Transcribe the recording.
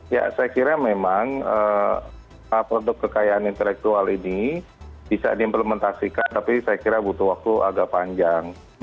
ya saya kira memang produk kekayaan intelektual ini bisa diimplementasikan tapi saya kira butuh waktu agak panjang